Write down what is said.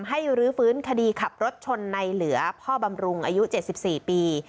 รื้อฟื้นคดีขับรถชนในเหลือพ่อบำรุงอายุ๗๔ปี